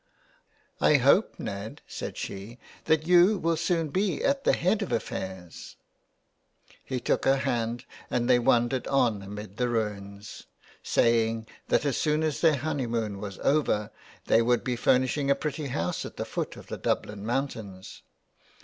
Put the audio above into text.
''I hope, Ned," said she, ''that you will soon be at the head of affairs." 325 THE WILD GOOSE. He took her hand and they wandered on amid the ruins, saying that as soon as their honeymoon was over they would be furnishing a pretty house at the foot of the DubHn mountains.